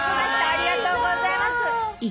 ありがとうございます。